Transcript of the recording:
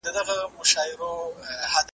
هغه پر د ده د قام او د ټبر وو `